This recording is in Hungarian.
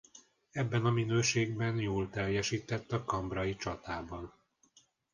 Ebben a minőségben jól teljesített a cambrai csatában.